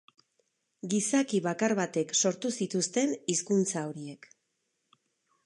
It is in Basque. Gizaki bakar batek sortu zituzten hizkuntza horiek.